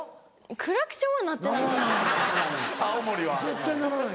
クラクションは鳴ってない。